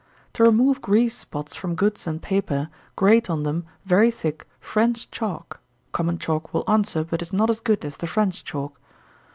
_ To remove grease spots from goods and paper, grate on them, very thick, French chalk, (common chalk will answer, but is not as good as the French chalk.)